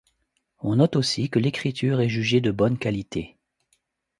On note aussi que l'écriture est jugée de bonne qualité.